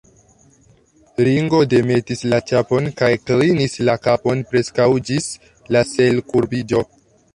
Ringo demetis la ĉapon kaj klinis la kapon preskaŭ ĝis la selkurbiĝo.